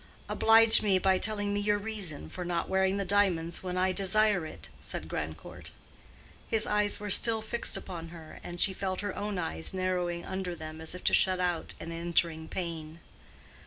"Oblige me by telling me your reason for not wearing the diamonds when I desire it," said Grandcourt. His eyes were still fixed upon her, and she felt her own eyes narrowing under them as if to shut out an entering pain.